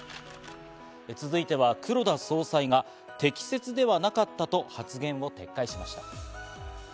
続いては、黒田総裁が適切ではなかったと発言を撤回しました。